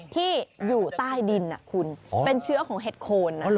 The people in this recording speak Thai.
ที่อยู่ใต้ดินคุณเป็นเชื้อของเห็ดโคนนะ